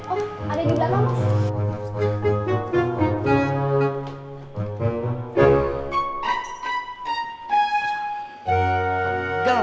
oh ada di belakang mas